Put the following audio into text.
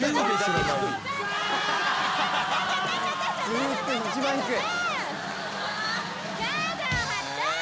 ずっと一番低い。